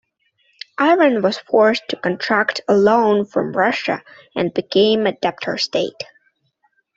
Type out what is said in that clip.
Iran was forced to contract a loan from Russia and became a debtor state.